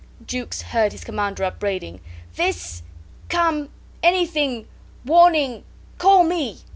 Jukes heard his commander upbraiding. "This come anything warning call me."